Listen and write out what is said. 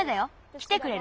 きてくれる？